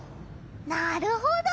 なるほど！